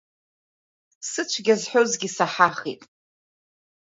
Сыцәгьа зҳәозгьы саҳахит!